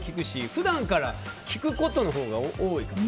普段から聞くことのほうが多いかも。